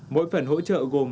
mỗi phần hỗ trợ gồm